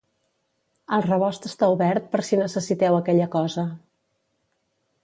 El rebost està obert per si necessiteu aquella cosa.